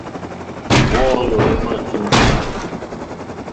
Wɔ́ɔ̌lɔ̀ wá má í kíŋɡɛ̀.